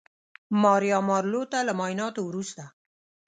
ماریا مارلو ته له معاینانو وروسته